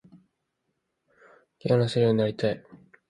方言を話せるようになりたい